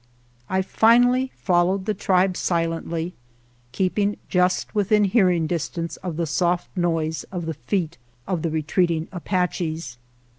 I finally followed the tribe silently, keeping just within hearing distance of the soft noise of the feet of the retreating Apaches.